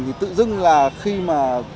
thì tự dưng là khi mà